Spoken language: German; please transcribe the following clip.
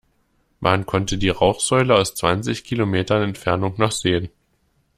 Man konnte die Rauchsäule aus zwanzig Kilometern Entfernung noch sehen.